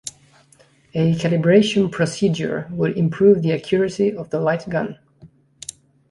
A calibration procedure would improve the accuracy of the light gun.